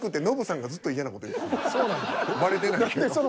バレてないけど。